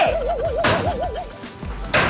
คุณลูกค้าคุณลูกค้า